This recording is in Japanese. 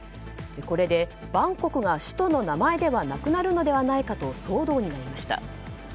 これでバンコクが首都の名前ではなくなるのではないかと騒動になりました。